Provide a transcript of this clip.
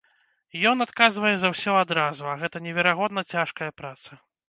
Ён адказвае за ўсё адразу, а гэта неверагодна цяжкая праца.